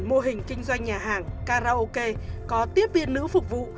mô hình kinh doanh nhà hàng karaoke có tiếp viên nữ phục vụ